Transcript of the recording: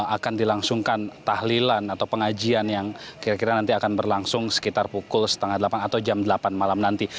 akan dilangsungkan tahlilan atau pengajian yang kira kira nanti akan berlangsung sekitar pukul setengah delapan atau jam delapan malam nanti